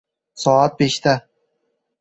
Soat beshda